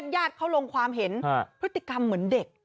ญาติเขาลงความเห็นพฤติกรรมเหมือนเด็ก